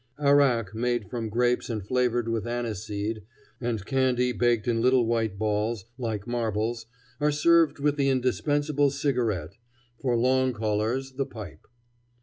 Arrack made from grapes and flavored with aniseed, and candy baked in little white balls like marbles, are served with the indispensable cigarette; for long callers, the pipe.